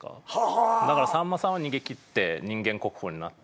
だからさんまさんは逃げ切って人間国宝になって。